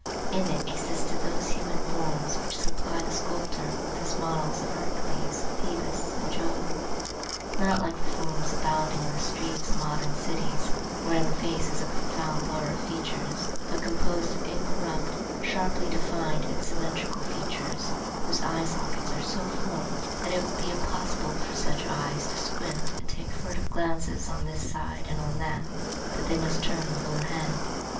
In it existed those human forms which supplied the sculptor with his models of Hercules, Phœbus, and Jove; not like the forms abounding in the streets of modern cities, wherein the face is a confused blur of features, but composed of incorrupt, sharply defined and symmetrical features, whose eye sockets are so formed that it would be impossible for such eyes to squint and take furtive glances on this side and on that, but they must turn the whole head.